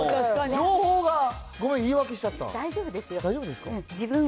情報が、ごめん、言い訳しちゃっ大丈夫ですよ。